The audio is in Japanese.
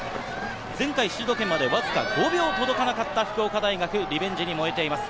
前回シード権までわずか５秒届かなかった福岡大学、リベンジに燃えています。